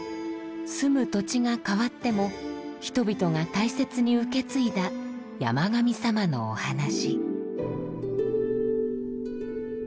住む土地が変わっても人々が大切に受け継いだ山神さまのお話。